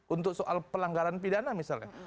untuk soal pelanggaran pidana misalnya